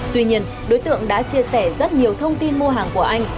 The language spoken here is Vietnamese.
tuy nhiên đối tượng đã chia sẻ rất nhiều thông tin mua hàng của anh